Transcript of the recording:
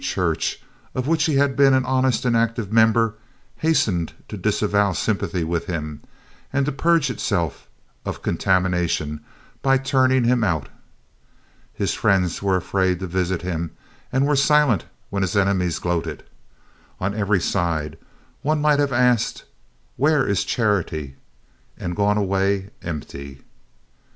church, of which he had been an honest and active member, hastened to disavow sympathy with him, and to purge itself of contamination by turning him out. His friends were afraid to visit him and were silent when his enemies gloated. On every side one might have asked, Where is charity? and gone away empty.